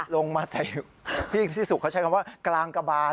ลงมาใส่พี่สุเขาใช้คำว่ากลางกระบาน